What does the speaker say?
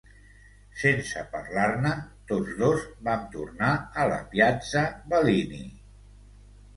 Sense parlar-ne, tots dos vam tornar a la piazza Bellini.